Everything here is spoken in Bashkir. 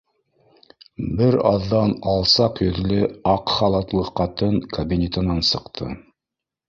Бер аҙҙан алсаҡ йөҙлө, аҡ халатлы ҡатын кабинетынан сыҡты.